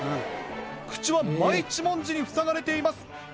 口は真一文字にふさがれています！